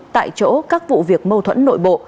tại chỗ các vụ việc mâu thuẫn nội bộ